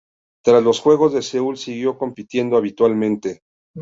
Tras los Juegos de Seúl siguió compitiendo habitualmente.